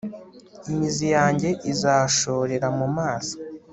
imizi yanjye izashorera mu mazi